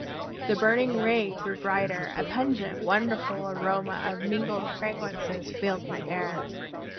The burning ray grew brighter, a pungent, wonderful aroma of mingled fragrances filled the air.